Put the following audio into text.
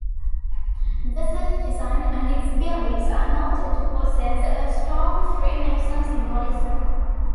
The city design and its buildings are noted to possess a strong Freemason symbolism.